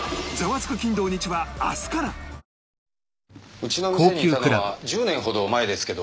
うちの店にいたのは１０年ほど前ですけど。